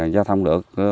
gia thông được